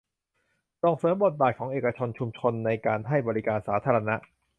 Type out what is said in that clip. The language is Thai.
ส่งเสริมบทบาทของเอกชน ชุมชน ในการให้บริการสาธารณะ